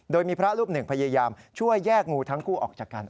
โดยมีพระรูปหนึ่งพยายามช่วยแยกงูทั้งคู่ออกจากกัน